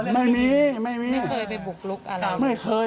ไม่มีอะไม่เคย